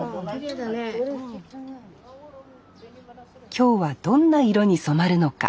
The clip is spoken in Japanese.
今日はどんな色に染まるのか。